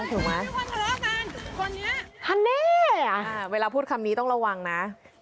ค่ะเวลาพูดคำนี้ต้องระวังนะ